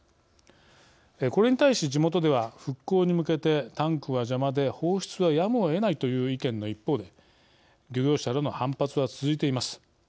これに対し地元では復興に向けてタンクは邪魔で放出はやむをえないという意見の一方で漁業者らの反発は続いています。